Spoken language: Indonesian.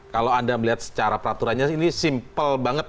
kalau anda melihat secara peraturannya ini simple banget